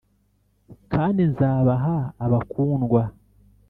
kandi nzabaha abakundwa.